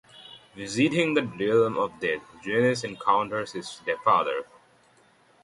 Visiting the Realm of the Dead, Genis encounters his father.